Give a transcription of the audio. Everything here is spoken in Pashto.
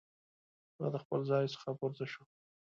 هغه د خپل ځای څخه پورته شو.